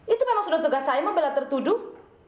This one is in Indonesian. itu memang sudah tugas saya membela tertuduh